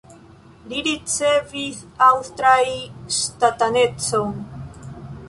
Li ricevis aŭstraj ŝtatanecon.